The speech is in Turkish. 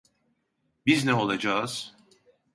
Biz ne olacağız?